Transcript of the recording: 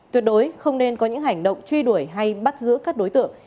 tuyệt đối không nên có những hành động truy đuổi hay bắt giữ các đối tượng